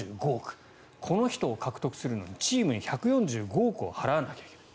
この人を獲得するのにチームに１４５億を払わないといけない。